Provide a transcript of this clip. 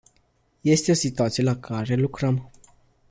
Este o situație la care lucrăm.